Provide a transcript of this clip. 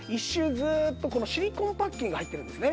ずーっとこのシリコンパッキンが入ってるんですね。